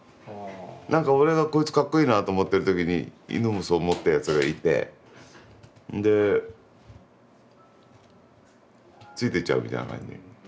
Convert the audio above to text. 何か俺が「こいつかっこいいな」と思ってる時に犬もそう思ったやつがいてそんでついてっちゃうみたいな感じ。